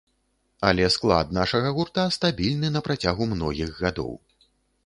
Але склад нашага гурта стабільны на працягу многіх гадоў.